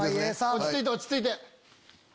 落ち着いて落ち着いて。